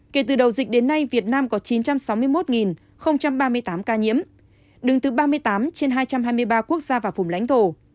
kể từ đầu dịch đến nay việt nam có chín trăm sáu mươi một ba mươi tám ca nhiễm đứng thứ ba mươi tám trên hai trăm hai mươi ba quốc gia và vùng lãnh thổ